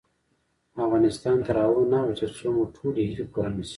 افغانستان تر هغو نه ابادیږي، ترڅو مو ټولې هیلې پوره نشي.